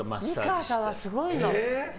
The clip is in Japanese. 美川さんはすごいの。